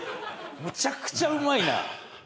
むちゃくちゃうまいな。